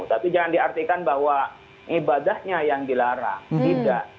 tapi jangan diartikan bahwa ibadahnya yang dilarang tidak